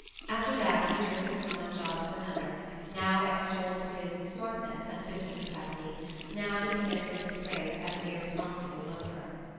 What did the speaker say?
After that he drifted from one job to another, now extolled for his "smartness" and business capacity, now dismissed in disgrace as an irresponsible loafer.